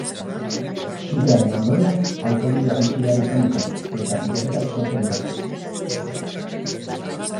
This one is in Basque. Sutearen ondorioz, autobidea itxi behar izan dute, eta pilaketak sortu dira.